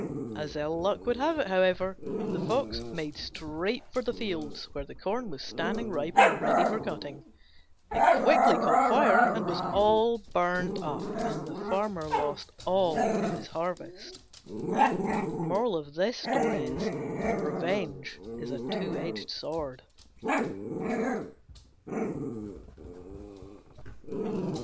As ill luck would have it, however, the Fox made straight for the fields where the corn was standing ripe and ready for cutting. It quickly caught fire and was all burnt up, and the Farmer lost all his harvest. Revenge is a two edged sword.